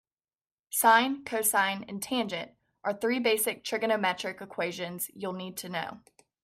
Sine, cosine and tangent are three basic trigonometric equations you'll need to know.